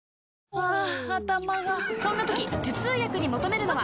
ハァ頭がそんな時頭痛薬に求めるのは？